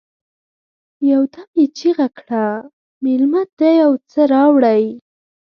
يودم يې چيغه کړه: مېلمه ته يو څه راوړئ!